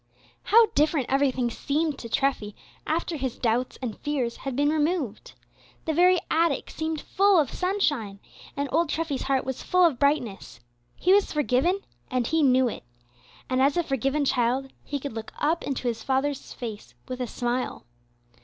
How different everything seemed to Treffy after his doubts and fears had been removed! The very attic seemed full of sunshine, and old Treffy's heart was full of brightness. He was forgiven, and he knew it. And, as a forgiven child, he could look up into his Father's face with a smile.